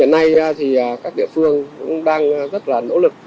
hiện nay thì các địa phương cũng đang rất là nỗ lực